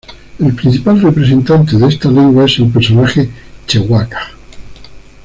El principal representante de esta lengua es el personaje Chewbacca.